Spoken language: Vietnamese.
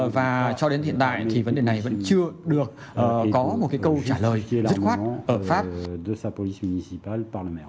và cho đến hiện tại thì vấn đề này vẫn chưa được có một câu trả lời dứt khoát ở pháp